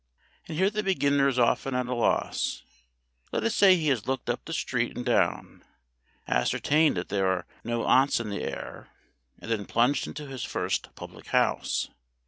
And here the beginner is often at a loss. Let us say he has looked up the street and down, ascertained that there are no aunts in the air, and then plunged into his first public house.